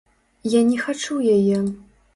Я не хачу яе!